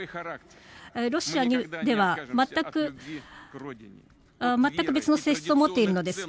ロシアでは、全く別の性質を持っているのです。